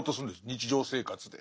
日常生活で。